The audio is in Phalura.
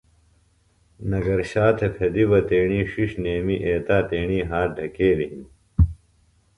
نگرشا تا پھیدیۡ بہ تیݨی ݜݜ نیمی ایتا تیݨی ہات ڈھکیلیۡ ہِنیۡ